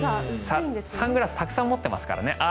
サングラスたくさん持ってますからね。